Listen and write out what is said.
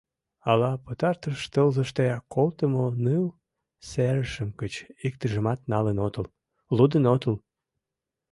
Ала пытартыш тылзыште колтымо ныл серышем гыч иктыжымат налын отыл, лудын отыл?